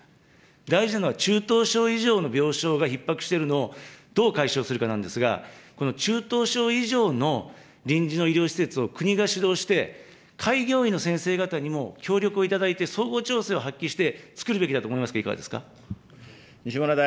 大事なのは中等症以上の病床がひっ迫しているのをどう解消するかなんですが、この中等症以上の臨時の医療施設を国が主導して、開業医の先生方にも協力をいただいて相互調整を発揮して、作るべきだと思いますがいかがですか。